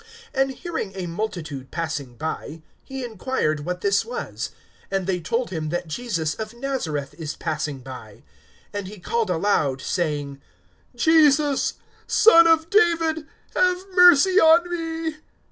(36)And hearing a multitude passing by, he inquired what this was. (37)And they told him, that Jesus of Nazareth is passing by. (38)And he called aloud, saying: Jesus, Son of David, have mercy on me.